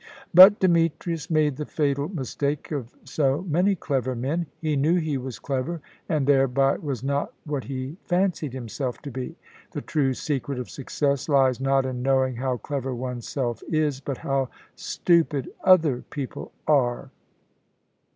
But Demetrius made the fatal mistake of so many clever men: he knew he was clever, and thereby was not what he fancied himself to be. The true secret of success lies, not in knowing how clever oneself is, but how stupid other people are.